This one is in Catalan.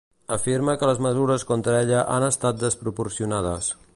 Afirma que les mesures contra ella han estat desproporcionades.